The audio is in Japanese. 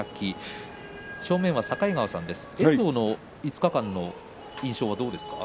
境川さん、遠藤の５日間印象はどうですか。